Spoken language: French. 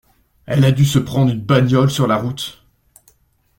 Elle a du se prendre une bagnole sur la route.